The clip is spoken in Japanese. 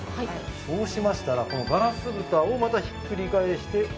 そうしましたらこのガラスぶたをまたひっくり返して置く。